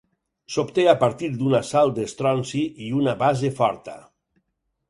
S'obté a partir d'una sal d'estronci i una base forta.